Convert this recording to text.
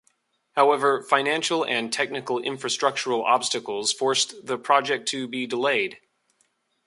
However financial and technical infrastructural obstacles forced the project to be delayed.